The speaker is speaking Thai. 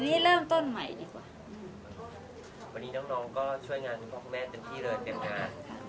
วันนี้เริ่มต้นใหม่ดีกว่า